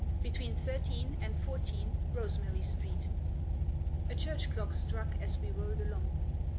BETWEEN 13 AND 14, ROSEMARY STREET. A church clock struck as we rolled along.